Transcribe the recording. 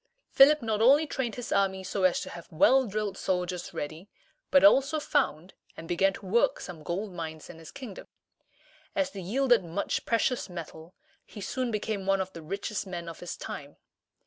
Philip not only trained his army so as to have well drilled soldiers ready, but also found and began to work some gold mines in his kingdom. As they yielded much precious metal, he soon became one of the richest men of his time.